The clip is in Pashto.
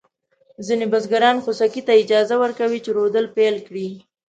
ځینې بزګران خوسکي ته اجازه ورکوي چې رودل پيل کړي.